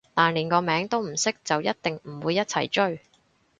但連個名都唔識就一定唔會一齊追